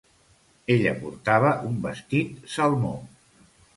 Ella portava un vestit salmó.